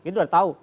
itu udah tahu